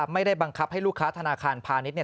ไม่ได้บังคับให้ลูกค้าธนาคารพาณิชย